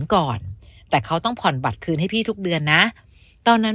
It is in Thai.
ก่อนแต่เขาต้องผ่อนบัตรคืนให้พี่ทุกเดือนนะตอนนั้น